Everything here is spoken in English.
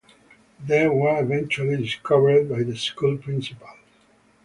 They were eventually discovered by the school principals.